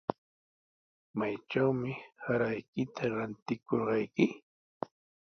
¿Maytrawmi saraykita ratikurqayki?